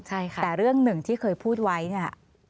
ใช่ค่ะแต่เรื่องหนึ่งที่เคยพูดไว้เนี่ย